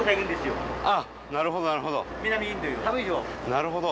なるほど！